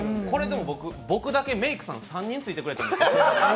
これ、僕だけメークさん３人ついてくれているんですよ。